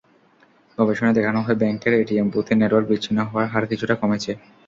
গবেষণায় দেখানো হয়, ব্যাংকের এটিএম বুথে নেটওয়ার্ক বিচ্ছিন্ন হওয়ার হার কিছুটা কমেছে।